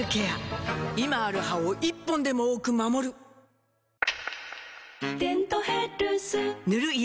今ある歯を１本でも多く守る「デントヘルス」塗る医薬品も